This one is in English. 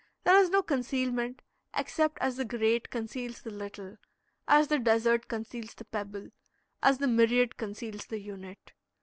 There is no concealment, except as the great conceals the little, as the desert conceals the pebble, as the myriad conceals the unit.